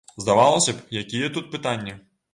Здавалася б, якія тут пытанні.